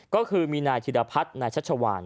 ก็คือมีนายธิรพัฒน์นายชัชวาน